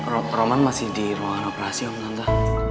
roman masih di ruangan operasi om tante